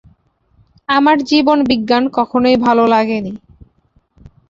আমার জীবনবিজ্ঞান কখনই ভালো লাগেনি।